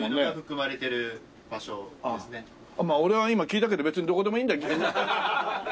まあ俺は今聞いたけど別にどこでもいいんだ。